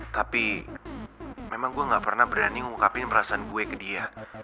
tapi memang gue gak pernah berani ngungkapin perasaan gue ke dia